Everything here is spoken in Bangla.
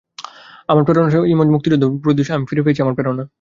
আমার প্রেরণাআসিফ ইমনআজ মুক্তিযুদ্ধ জাদুঘর পরিদর্শন করে আমি ফিরে পেয়েছি আমার প্রেরণা।